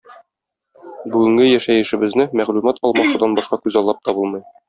Бүгенге яшәешебезне мәгълүмат алмашудан башка күзаллап та булмый.